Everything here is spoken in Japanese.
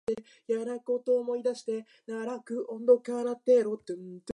ドーモ、ニホンゴマスター＝サン！ニンジャスレイヤーです